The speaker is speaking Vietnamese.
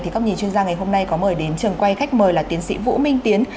thì góc nhìn chuyên gia ngày hôm nay có mời đến trường quay khách mời là tiến sĩ vũ minh tiến